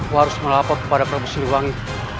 aku harus melaporkan kepada prabu siluwangi